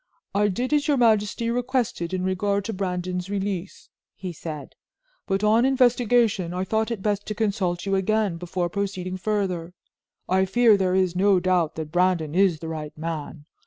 "I did as your majesty requested in regard to Brandon's release," he said, "but on investigation, I thought it best to consult you again before proceeding further. I fear there is no doubt that Brandon is the right man.